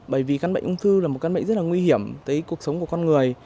bởi vì căn bệnh ung thư là một căn bệnh rất là nguy hiểm tới cuộc sống của con người